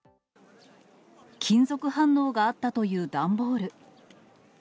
金属反応があったという段ボール。